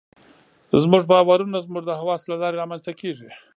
زموږ باورونه زموږ د حواسو له لارې رامنځته کېږي.